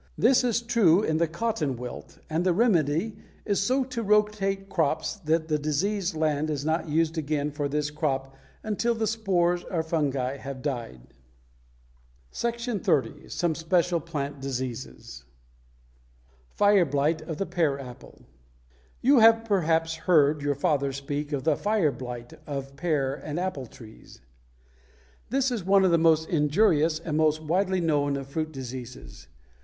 This is true in the cotton wilt, and the remedy is so to rotate crops that the diseased land is not used again for this crop until the spores or fungi have died. SECTION XXX. SOME SPECIAL PLANT DISEASES =Fire Blight of the Pear and Apple.= You have perhaps heard your father speak of the "fire blight" of pear and apple trees. This is one of the most injurious and most widely known of fruit diseases.